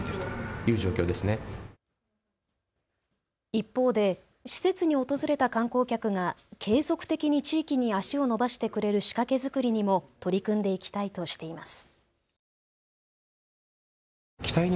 一方で施設に訪れた観光客が継続的に地域に足をのばしてくれる仕掛け作りにも取り組んでいきたいとしています。